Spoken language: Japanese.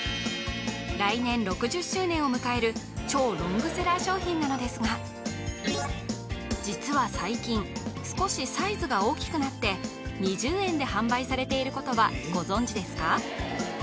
来年６０周年を迎える超ロングセラー商品なのですが実は最近少しサイズが大きくなって２０円で販売されていることはご存じですか？